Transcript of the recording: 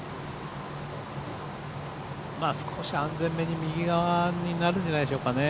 少し安全めに右側になるんじゃないでしょうかね。